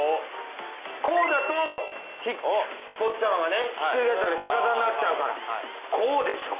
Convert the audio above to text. こうだとポッチャマがねひっくり返っちゃうんで逆さになっちゃうからこうでしょう。